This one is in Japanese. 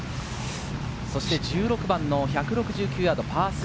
そして１６番の１６９ヤード、パー３。